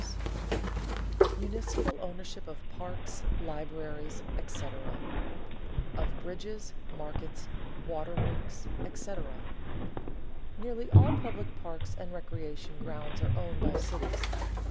[Sidenote: Municipal ownership of parks, libraries, &c.] [Sidenote: Of bridges, markets, waterworks, &c.] Nearly all public parks and recreation grounds are owned by cities.